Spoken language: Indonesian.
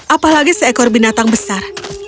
apalagi seekor binatang besar